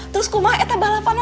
terus aku ingin balapannya